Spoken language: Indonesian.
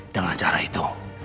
dengan cara itu